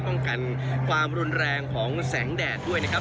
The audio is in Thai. ป้องกันความรุนแรงของแสงแดดด้วยนะครับ